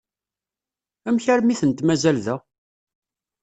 Amek armi i tent-mazal da?